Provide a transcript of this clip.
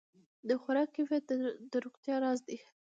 د خوراک کیفیت د روغتیا راز دی.